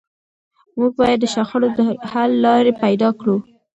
موږ باید د شخړو د حل لارې پیدا کړو.